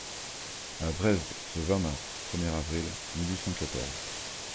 »À Dresde, ce vingt mars (premier avril) mille huit cent quatorze.